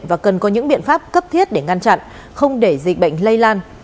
và cần có những biện pháp cấp thiết để ngăn chặn không để dịch bệnh lây lan